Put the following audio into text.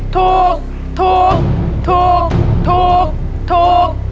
ถูกถูก